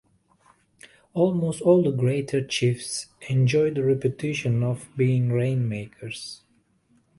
Almost all the greater chiefs enjoy the reputation of being rainmakers.